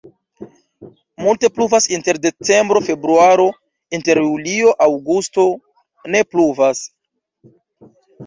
Multe pluvas inter decembro-februaro, inter julio-aŭgusto ne pluvas.